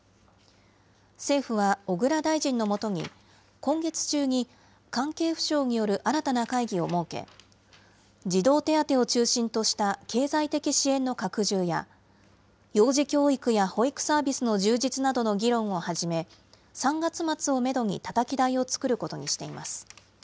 政府は小倉大臣の下に、今月中に関係府省による新たな会議を設け、児童手当を中心とした経済的支援の拡充や、幼児教育や保育サービスの充実などの議論を始め、３月末をメドにたたき台を作ることにしています。